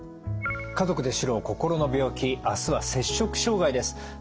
「家族で知ろう心の病気」明日は摂食障害です。